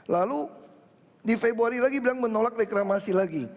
lalu di februari lagi bilang menolak reklamasi lagi